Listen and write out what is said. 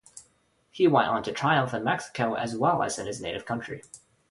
He went on to triumph in Mexico as well as in his native country.